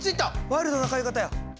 ワイルドな買い方や。